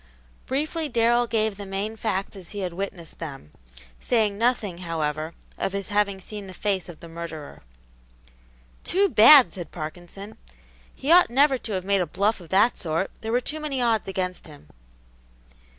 Briefly Darrell gave the main facts as he had witnessed them, saying nothing, however, of his having seen the face of the murderer. "Too bad!" said Parkinson. "He ought never to have made a bluff of that sort; there were too many odds against him."